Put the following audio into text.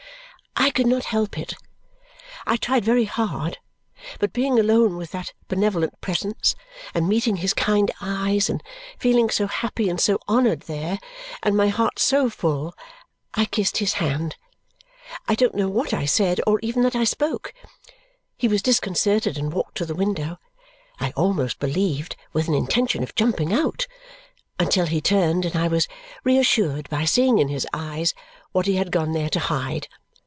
I could not help it; I tried very hard, but being alone with that benevolent presence, and meeting his kind eyes, and feeling so happy and so honoured there, and my heart so full I kissed his hand. I don't know what I said, or even that I spoke. He was disconcerted and walked to the window; I almost believed with an intention of jumping out, until he turned and I was reassured by seeing in his eyes what he had gone there to hide.